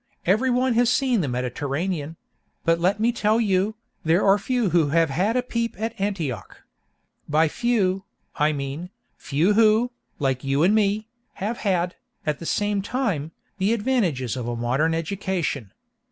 Every one has seen the Mediterranean; but let me tell you, there are few who have had a peep at Antioch. By few, I mean, few who, like you and me, have had, at the same time, the advantages of a modern education.